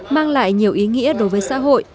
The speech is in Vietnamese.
mang lại nhiều ý nghĩa đối với xã hội